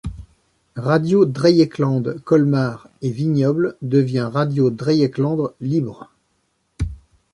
Radio Dreyeckland Colmar et Vignoble devient Radio Dreyeckland Libre.